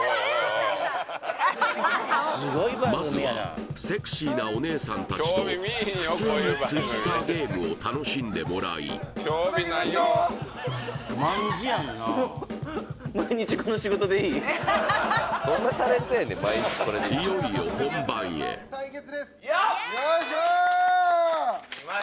まずはセクシーなお姉さん達と普通にツイスターゲームを楽しんでもらいいよっよいしょ